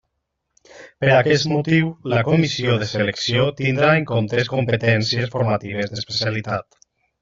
Per aquest motiu, la comissió de selecció tindrà en compte competències formatives d'especialitat.